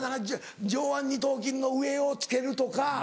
上腕二頭筋の上をつけるとか。